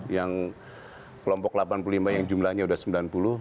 yang kelompok delapan puluh lima yang jumlahnya sudah sembilan puluh